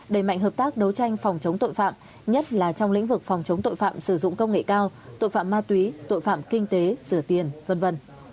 đẩy mạnh hợp tác đấu tranh phòng chống tội phạm nhất là trong lĩnh vực phòng chống tội phạm sử dụng công nghệ cao tội phạm ma túy tội phạm kinh tế rửa tiền v v